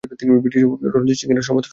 তিনি ব্রিটিশ ও রণজিৎ সিঙের সমর্থন পান।